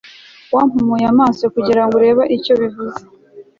wampumuye amaso kugirango urebe icyo bivuze